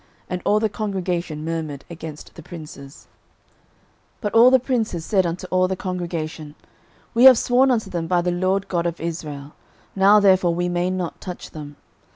And all the congregation murmured against the princes. 06:009:019 But all the princes said unto all the congregation, We have sworn unto them by the LORD God of Israel: now therefore we may not touch them.